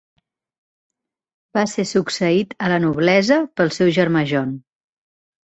Va ser succeït a la noblesa pel seu germà John.